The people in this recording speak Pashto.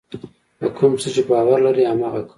په کوم څه چې باور لرئ هماغه کوئ.